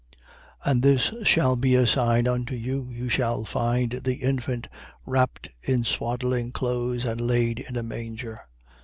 2:12. And this shall be a sign unto you. You shall find the infant wrapped in swaddling clothes and laid in a manger.